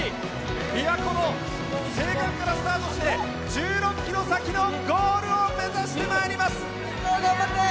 びわ湖の西岸からスタートして、１６キロ先のゴールを目指してま頑張って。